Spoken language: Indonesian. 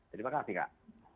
terima kasih kak